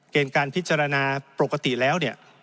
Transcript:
เกณฑ์การพิจารณ์ปกติแล้ว